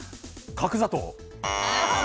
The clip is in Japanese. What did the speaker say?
角砂糖。